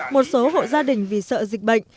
một số hộ gia đình vì sợ dịch bệnh